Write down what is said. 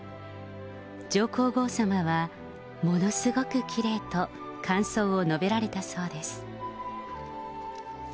上皇后さまは、ものすごくきれいと、感想を述べられたそうです。